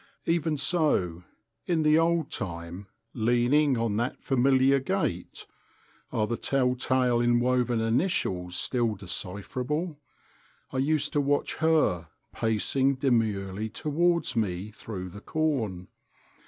Even so, in the old time, leaning on that familiar gate—are the tell tale inwoven initials still decipherable?—I used to watch Her pacing demurely towards me through the corn.